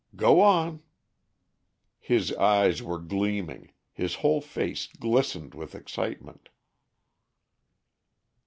Go on!" His eyes were gleaming; his whole face glistened with excitement.